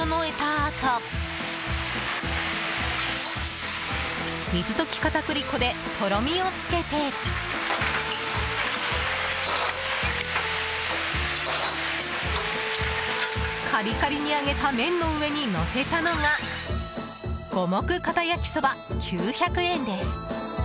あと水溶き片栗粉でとろみをつけてカリカリに揚げた麺の上にのせたのが五目カタヤキソバ、９００円です。